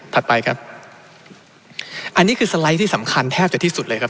ไปครับอันนี้คือสไลด์ที่สำคัญแทบจะที่สุดเลยครับ